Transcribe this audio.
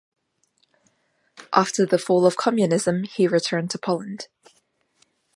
After the fall of communism he returned to Poland.